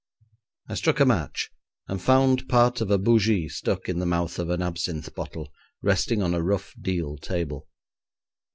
I struck a match, and found part of a bougie stuck in the mouth of an absinthe bottle, resting on a rough deal table.